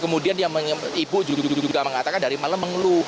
kemudian ibu juga mengatakan dari malam mengeluh